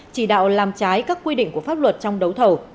chỉ đạo làm trái các quy định của pháp luật trong đấu thầu